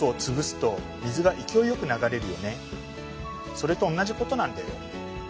それとおんなじことなんだよ。